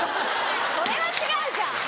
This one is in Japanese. それは違うじゃん！